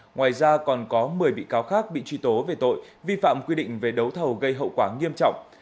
ngoài ra còn có một mươi bị cáo khác bị truy tố về tội vi phạm quy định về đấu thầu gây hậu quả nghiêm trọng